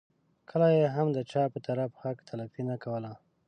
کله یې هم د چا په طرف حق تلفي نه کوله.